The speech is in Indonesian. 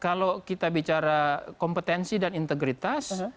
kalau kita bicara kompetensi dan integritas